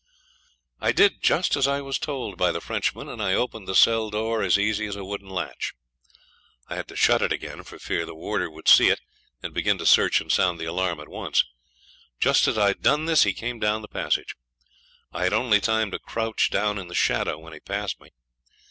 I did just as I was told by the Frenchman, and I opened the cell door as easy as a wooden latch. I had to shut it again for fear the warder would see it and begin to search and sound the alarm at once. Just as I'd done this he came down the passage. I had only time to crouch down in the shadow when he passed me.